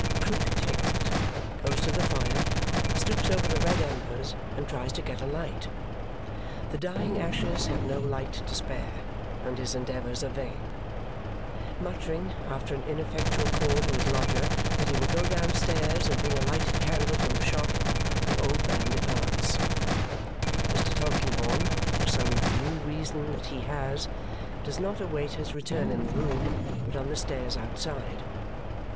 Krook takes it, goes to the fire, stoops over the red embers, and tries to get a light. The dying ashes have no light to spare, and his endeavours are vain. Muttering, after an ineffectual call to his lodger, that he will go downstairs and bring a lighted candle from the shop, the old man departs. Mr. Tulkinghorn, for some new reason that he has, does not await his return in the room, but on the stairs outside.